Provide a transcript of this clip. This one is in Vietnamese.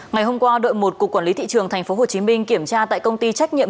ngày hôm qua đội một cục quản lý thị trường tp hcm kiểm tra tại công ty trách nhiệm